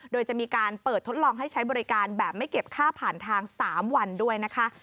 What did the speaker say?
โดยจะมีการเปิดทดลองให้ใช้บริการแบบไม่เก็บค่าผ่านทาง๓วันด้วยนะคะ